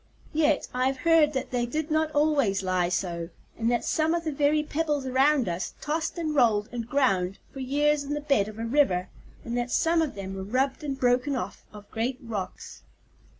Yet I have heard that they did not always lie so, and that some of the very pebbles around us tossed and rolled and ground for years in the bed of a river, and that some of them were rubbed and broken off of great rocks.